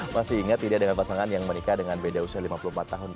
masih ingat tidak dengan pasangan yang menikah dengan beda usia lima puluh empat tahun